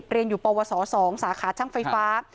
เรียนอยู่ปวส๒สาขาช่างไฟฟ้า